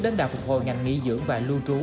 đến đà phục hồi ngành nghỉ dưỡng và lưu trú